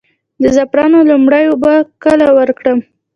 د زعفرانو لومړۍ اوبه کله ورکړم؟